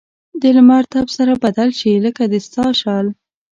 د لمر تپ سره بدل شي؛ لکه د ستا شال.